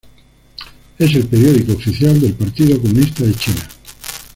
Es el periódico oficial del Partido Comunista de China.